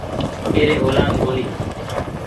ايري اولآد ڪونيٚ